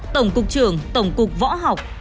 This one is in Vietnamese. tổng cục trưởng tổng cục võ học